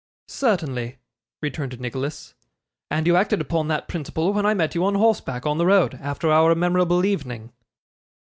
'Certainly,' returned Nicholas; 'and you acted upon that principle when I meet you on horseback on the road, after our memorable evening.